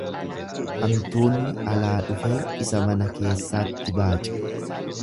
Antuunni alaa dhufee isa mana keessaatti baaca.